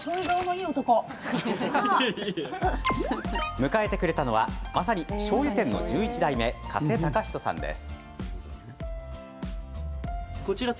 迎えてくれたのはまさに、しょうゆ店の１１代目加瀬貴仁さんです。